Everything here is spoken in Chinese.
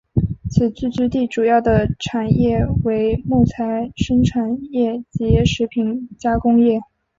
此聚居地主要的产业为木材生产业及食品加工业。